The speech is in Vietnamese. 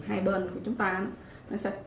hai bên của chúng ta